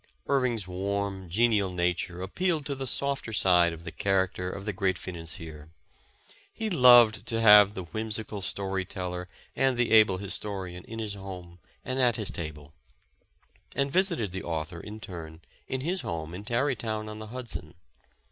Irving 's warm, genial nature appealed to the softer side of the character of the great financier. He loved to have the whimsical story teller and the able historian in his home and at his table; and visited the author, in turn, in his home in Tarry town on the Hudson.